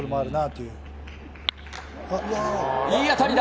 いい当たりだ！